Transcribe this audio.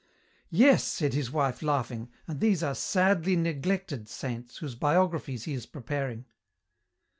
"Yes," said his wife, laughing, "and these are sadly neglected saints whose biographies he is preparing."